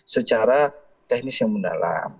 secara teknis yang mendalam